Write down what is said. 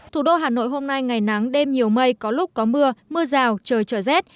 thủ đô hà nội hôm nay ngày nắng đêm nhiều mây có lúc có mưa mưa rào trời trở rét